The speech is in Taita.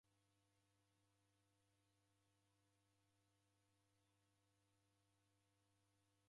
Deka mbuw'enyi, daw'edunga mbogha machi